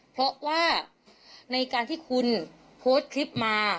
เพราะว่าในการที่คุณโพสต์คลิปมา